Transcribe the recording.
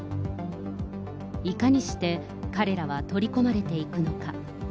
いかにして彼らは取り込まれていくのか。